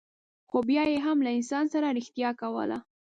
خو بیا یې هم له انسان سره رښتیا کوله.